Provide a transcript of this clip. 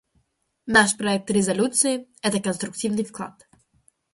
Наш проект резолюции — это конструктивный вклад.